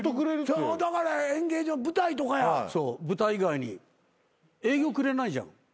舞台以外に営業くれないじゃん。